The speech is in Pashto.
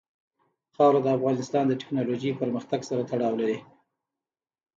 خاوره د افغانستان د تکنالوژۍ پرمختګ سره تړاو لري.